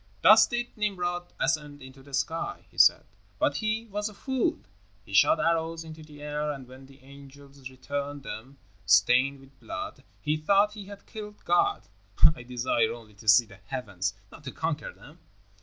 "Thus did Nimrod ascend into the sky," he said, "but he was a fool. He shot arrows into the air, and when the angels returned them stained with blood, he thought he had killed God. I desire only to see the heavens, not to conquer them."